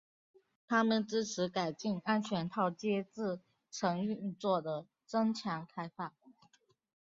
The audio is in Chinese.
它们支持改进安全套接字层运作的增强开发。